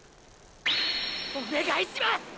お願いします！！